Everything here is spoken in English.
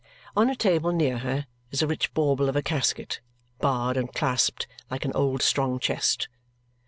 On a table near her is a rich bauble of a casket, barred and clasped like an old strong chest.